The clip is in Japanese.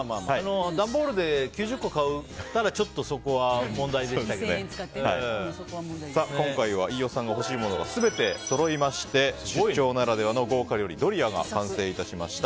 段ボールで９０個買ってたら今回は飯尾さんの欲しいものが全てそろいまして出張ならではの豪華料理ドリアが完成いたしました。